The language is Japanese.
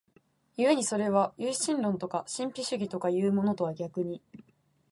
故にそれは唯心論とか神秘主義とかいうものとは逆に、